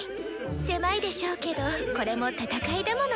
狭いでしょうけどこれも戦いだものね。